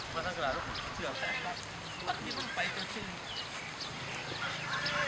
ผมก็เงียบมองเนอะทุกคน